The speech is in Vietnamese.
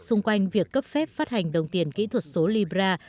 xung quanh việc cấp phép phát hành đồng tiền kỹ thuật số libra